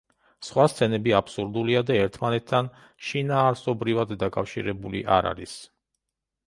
სხვა სცენები აბსურდულია და ერთმანეთთან შინაარსობრივად დაკავშირებული არ არის.